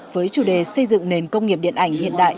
với chủ đề xây dựng nền công nghiệp điện ảnh hiện đại